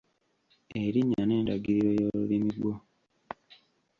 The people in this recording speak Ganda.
Erinnya n’endagiriro y’omulimi gwo.